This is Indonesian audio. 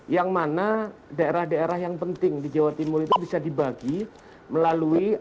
yang mana daerah daerah yang penting di jawa timur itu bisa dibagi melalui